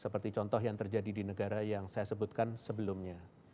seperti contoh yang terjadi di negara yang saya sebutkan sebelumnya